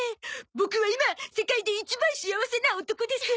ボクは今世界で一番幸せな男です！